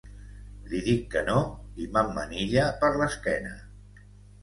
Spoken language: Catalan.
Li dic que no i m’emmanilla per l’esquena.